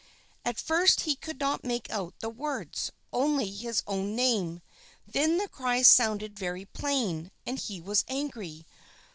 At first he could not make out the words, only his own name, then the cries sounded very plain, and he was angry.